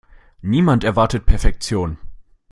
Niemand erwartet Perfektion.